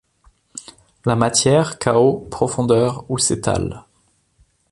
La matière, chaos, profondeur où s’étale